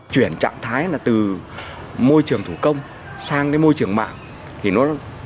chuyển trạng thái là từ môi trường thủ công sang cái môi trường mạng